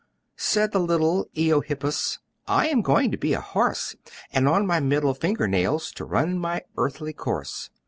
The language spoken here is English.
Said the little Eohippus, "I am going to be a horse! And on my middle finger nails To run my earthly course!